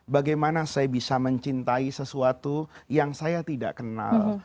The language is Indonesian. bagaimana saya bisa mencintai sesuatu yang saya tidak kenal